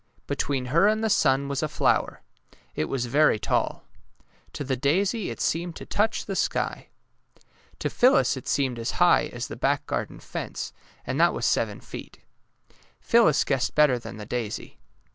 Between her and the sun was a flower. It was very taU. To the daisy it seemed to touch the sky. To Phyllis it seemed as high as the back garden fence, and that was seven feet. Phyllis guessed better than the daisy.